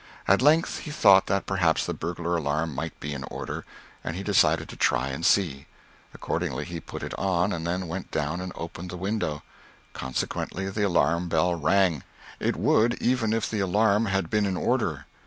At length he thought that perhaps the burglar alarm might be in order, and he decided to try and see; accordingly he put it on and then went down and opened the window; consequently the alarm bell rang, it would even if the alarm had been in order.